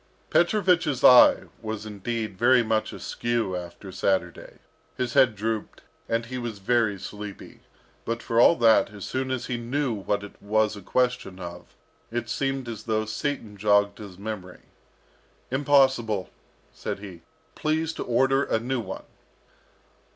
Petrovich's eye was indeed very much askew after Saturday. His head drooped, and he was very sleepy; but for all that, as soon as he knew what it was a question of, it seemed as though Satan jogged his memory. "Impossible," said he. "Please to order a new one."